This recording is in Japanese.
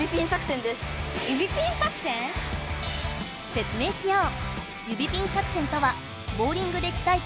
説明しよう！